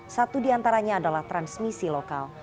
satu di antaranya adalah transmisi lokal